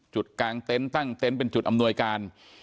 จุดกลางเต้นตั้งเต้นเป็นจุดอำนวยการ